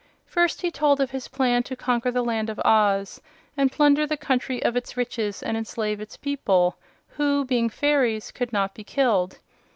First he told of his plan to conquer the Land of Oz and plunder the country of its riches and enslave its people, who, being fairies, could not be killed.